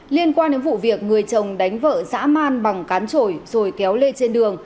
liên quan đến vụ việc người chồng đánh vợ giã man bằng cán trổi rồi kéo lê trên đường